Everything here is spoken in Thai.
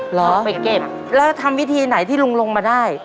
เหรอไปเก็บแล้วทำวิธีไหนที่ลุงลงมาได้